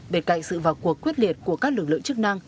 bên cạnh sự vào cuộc quyết liệt của các lực lượng chức năng